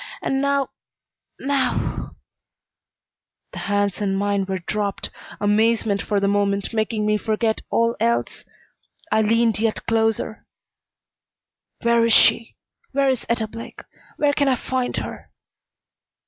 And now now " The hands in mine were dropped, amazement for the moment making me forget all else. I leaned yet closer. "Where is she? Where is Etta Blake? Where can I find her?"